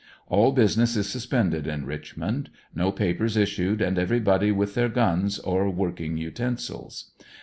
All business is suspended in Richmond; no pa pers issued, and everybody with their guns or working utensils.